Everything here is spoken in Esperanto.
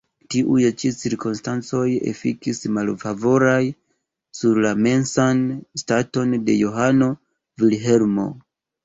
Tiuj ĉi cirkonstancoj efikis malfavoraj sur la mensan staton de Johano Vilhelmo.